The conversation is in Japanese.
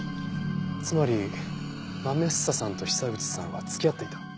つまりまめ房さんと久口さんは付き合っていた。